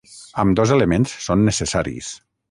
Ambdós elements són necessaris.